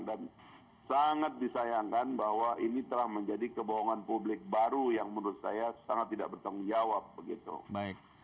dan sangat disayangkan bahwa ini telah menjadi kebohongan publik baru yang menurut saya sangat tidak bertanggung jawab